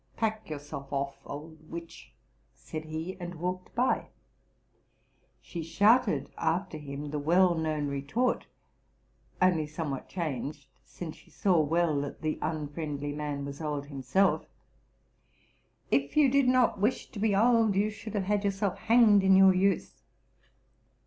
'* Pack yourself off, old witch! '' said he, and walked by. She shouted after him the well known re tort, — only somewhat changed, since she saw well that the unfriendly man was old himself, —''If you did not wish to be old, you should have had yourself hanged in your youth!